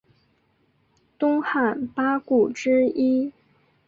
东汉八顾之一。